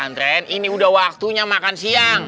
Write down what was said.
antren ini udah waktunya makan siang